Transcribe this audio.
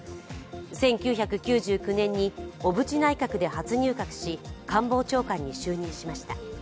１９９９年に小渕内閣で初入閣し官房長官に就任しました。